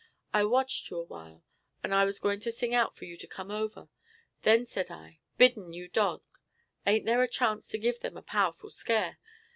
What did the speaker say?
I watched you awhile, and was gwine to sing out for you to come over. Then said I, 'Biddon, you dog, ain't there a chance to give them a powerful scare.